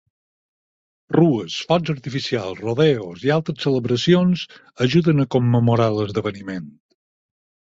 Rues, focs artificials, rodeos, i altres celebracions ajuden a commemorar l'esdeveniment.